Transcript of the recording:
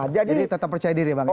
jadi tetap percaya diri bang ya